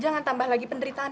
jangan tambah lagi penderitaan